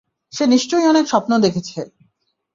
সে নিশ্চয়ই অনেক স্বপ্ন দেখেছে!